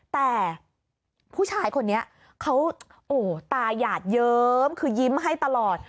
แต่ผู้ชายคนนี้เขาโอ้ตายาดเยิ้มคือยิ้มให้ตลอด